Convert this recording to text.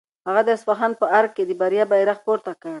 هغه د اصفهان په ارګ کې د بریا بیرغ پورته کړ.